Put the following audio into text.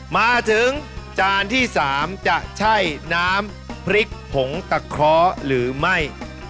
มาถึงจานที่๓จะใช่น้ำพริกผงตะเคราะห์หรือไม่